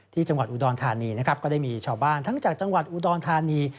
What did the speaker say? ที่จังหวัดอุดรธานีนะครับก็ได้มีชาวบ้านทั้งจากจังหวัดอุดรธานี